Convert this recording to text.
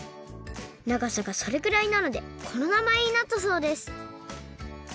ながさがそれくらいなのでこのなまえになったそうです